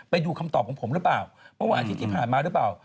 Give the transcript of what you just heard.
ไปดูคำตอบของผมรึเปล่าระหว่างที่ที่ผ่านมารึเปล่า